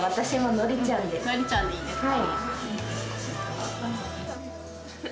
典ちゃんでいいですか？